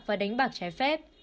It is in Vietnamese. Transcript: và đánh bạc trái phép